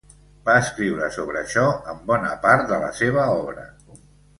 Va escriure sobre això en bona part de la seva obra.